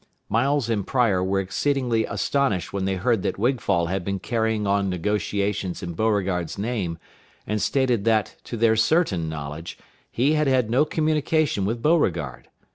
Miles and Pryor were exceedingly astonished when they heard that Wigfall had been carrying on negotiations in Beauregard's name, and stated that, to their certain knowledge, he had had no communication with Beauregard.